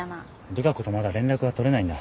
利佳子とまだ連絡が取れないんだ。